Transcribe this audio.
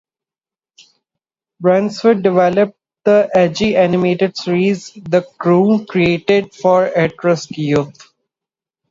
Bransford developed the edgy animated series, "The Crew" created for at-risk youth.